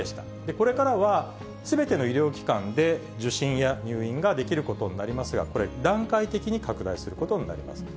これからは、すべての医療機関で受診や入院ができることになりますが、これ、段階的に拡大することになります。